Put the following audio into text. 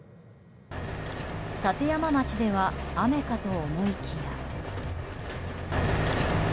立山町では雨かと思いきや。